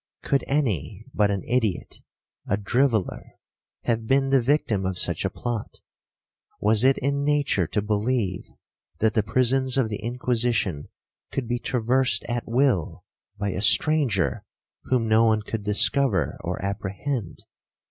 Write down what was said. Could any but an idiot, a driveller, have been the victim of such a plot? Was it in nature to believe that the prisons of the Inquisition could be traversed at will by a stranger whom no one could discover or apprehend?